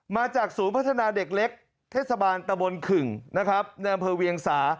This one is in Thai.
มาจากศูนย์พัฒนาเด็กเล็กเทศบาลตะบนขึ่งนะครับในอำเภอเวียงสา